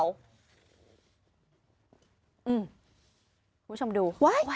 คุณผู้ชมดู